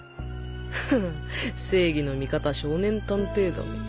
フフ「正義の味方少年探偵団」か